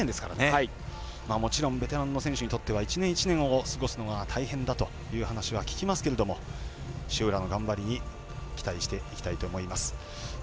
もちろんベテランの選手にとって１年１年を過ごすのは大変だという話は聞きますけれども塩浦の頑張りに期待していきたいと思います。